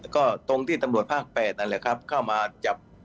ก็ตรงที่ตำรวจภาค๘นั่นแหละครับเข้ามาจับ